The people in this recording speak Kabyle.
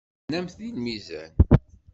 Ternamt deg lmizan.